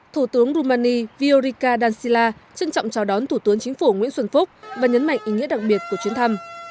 thủ tướng romani viorica dancila trân trọng chào đón thủ tướng chính phủ nguyễn xuân phúc và nhấn mạnh ý nghĩa đặc biệt của chuyến thăm